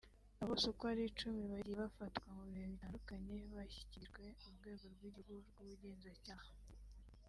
Abo bose uko ari icumi bagiye bafatwa mu bihe bitandukanye bashyikirijwe Urwego rw’Igihugu rw’Ubugenzacyaha